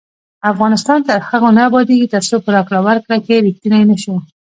افغانستان تر هغو نه ابادیږي، ترڅو په راکړه ورکړه کې ریښتیني نشو.